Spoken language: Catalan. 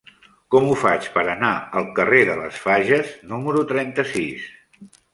Com ho faig per anar al carrer de les Fages número trenta-sis?